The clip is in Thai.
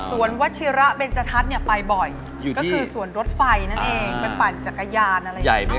วัชิระเบนจทัศน์เนี่ยไปบ่อยก็คือสวนรถไฟนั่นเองเป็นปั่นจักรยานอะไรอย่างนี้